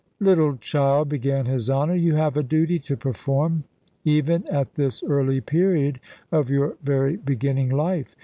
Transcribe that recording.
"Little child," began his Honour, "you have a duty to perform, even at this early period of your very beginning life.